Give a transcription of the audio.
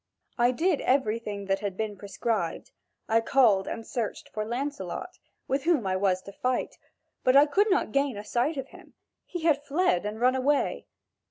I did everything that had been prescribed: I called and searched for Lancelot, with whom I was to fight, but I could not gain a sight of him: he had fled and run away.